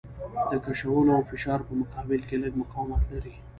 د کشولو او فشار په مقابل کې لږ مقاومت لري.